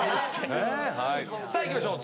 さあいきましょう。